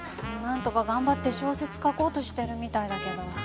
なんとか頑張って小説書こうとしてるみたいだけど。